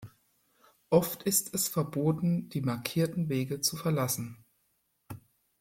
Oft ist es verboten, die markierten Wege zu verlassen.